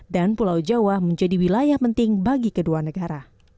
dan pulau jawa menjadi wilayah penting bagi kedua negara